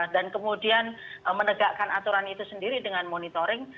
dan kemudian menegakkan aturan itu sendiri dengan monitoring